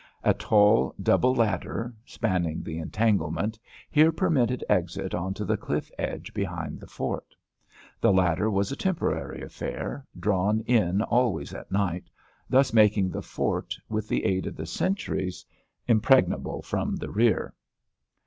A tall, double ladder, spanning the entanglement, here permitted exit on to the cliff edge behind the fort. The ladder was a temporary affair, drawn in always at night, thus making the fort, with the aid of the sentries, impregnable from the rear.